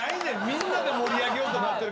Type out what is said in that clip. みんなで盛り上げようとなってるから。